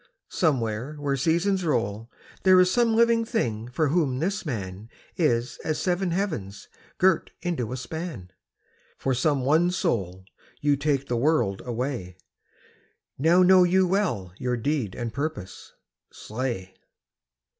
somewhere where seasons roll There is some living thing for whom this man Is as seven heavens girt into a span, For some one soul you take the world away Now know you well your deed and purpose. Slay!'